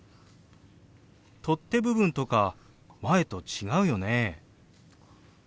取っ手部分とか前と違うよね？